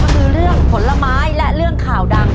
ก็คือเรื่องผลไม้และเรื่องข่าวดัง